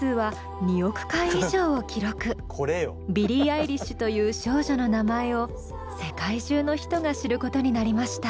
ビリー・アイリッシュという少女の名前を世界中の人が知ることになりました。